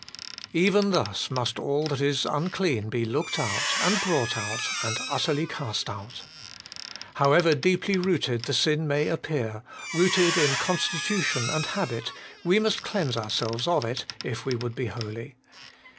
Even thus must all that is unclean be looked out, and brought out, and utterly cast out. However deeply rooted the sin may appear, rooted in constitution and habit, we must cleanse ourselves of it if we would be holy.